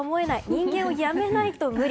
人間をやめないと無理。